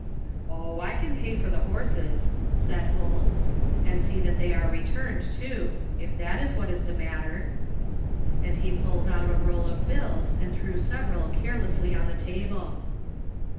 " Oh, I can pay for the horses," said Holt, " and see that they are returned, too, if that is what is the mat ter.'' And he pulled out a roll of bills and threw several carelessly on the table.